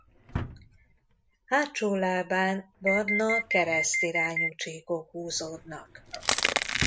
Hátsó lábán barna keresztirányú csíkok húzódnak.